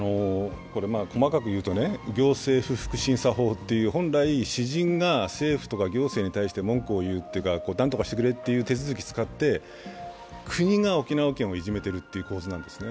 細かくいうと行政不服審査法といって本来、私人が行政や政府に対して文句を言うという手続きを使って、なんとかしてくれっていう手続きを使って国が沖縄県をいじめてる構図なんですね。